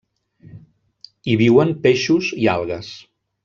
Hi viuen peixos i algues.